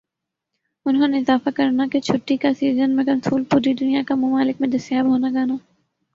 انہوں نے اضافہ کرنا کہ چھٹی کا سیزن میں کنسول پوری دنیا کا ممالک میں دستیاب ہونا گانا